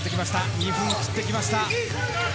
２分を切ってきました。